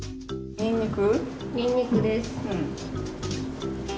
にんにくです。